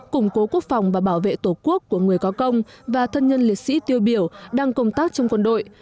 củng cố quốc phòng và bảo vệ tổ quốc của người có công và thân nhân liệt sĩ tiêu biểu đang công tác trong quân đội